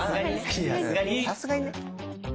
いやさすがにね。